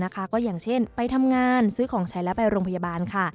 ก็อย่างเช่นไปทำงานซื้อของใช้แล้วไปโรงพยาบาลค่ะ